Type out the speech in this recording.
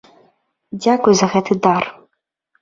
Дзякуй за гэты дар.